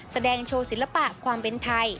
แสดงโชว์ศิลปะความเป็นไทย